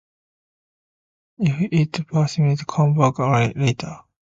If it persists, come back later